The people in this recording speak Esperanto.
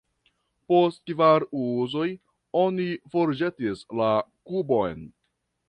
Post kvar uzoj, oni forĵetis la kubon.